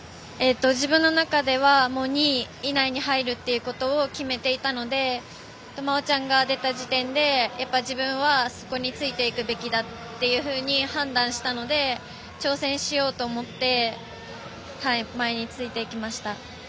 自分の中では２位以内に入るとは決めていたので麻緒ちゃんが出た時点で自分はそこについていくべきだと判断したので挑戦しようと思って前についていきました。